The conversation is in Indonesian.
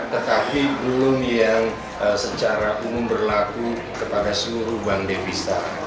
tetapi belum yang secara umum berlaku kepada seluruh bank devisa